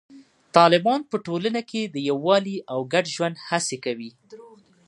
طالبان په ټولنه کې د یووالي او ګډ ژوند هڅې کوي.